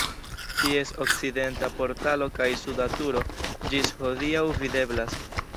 Ties okcidenta portalo kaj suda turo ĝis hodiaŭ videblas.